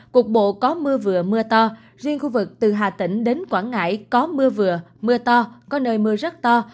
cục bộ có mưa vừa mưa to riêng khu vực từ hà tĩnh đến quảng ngãi có mưa vừa mưa to có nơi mưa rất to